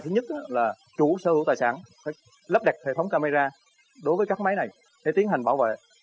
thứ nhất là chủ sở hữu tài sản phải lắp đặt hệ thống camera đối với các máy này để tiến hành bảo vệ